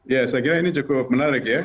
ya saya kira ini cukup menarik ya